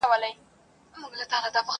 شګوفې په ټوله ښکلا غوړېدلي وې !.